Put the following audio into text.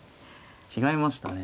違いましたね。